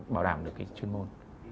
bảo đảm được cái chuyên môn